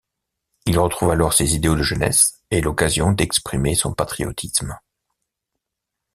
Il retrouve alors ses idéaux de jeunesse et l’occasion d’exprimer son patriotisme.